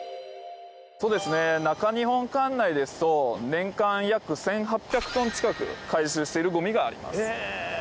中日本管内ですと年間、約１８００トン近く回収しているゴミがあります。